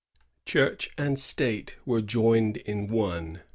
Church and State were joined in one.